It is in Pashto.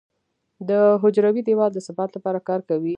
د حجروي دیوال د ثبات لپاره کار کوي.